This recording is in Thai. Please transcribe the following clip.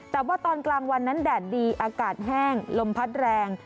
แต่ว่าตอนกลางวันนั้นแดดดีอากาศแห้งลมพัดแรง